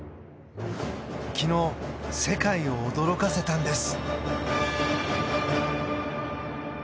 昨日、世界を驚かせたんです。